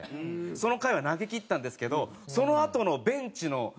その回は投げきったんですけどそのあとのベンチの朗希さん